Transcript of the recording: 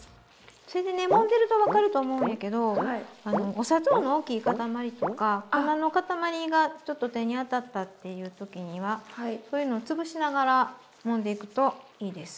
それでねもんでると分かると思うんやけどお砂糖の大きい塊とか粉の塊がちょっと手に当たったっていう時にはそういうの潰しながらもんでいくといいです。